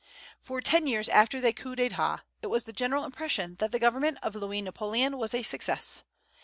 For ten years after the coup d'état it was the general impression that the government of Louis Napoleon was a success.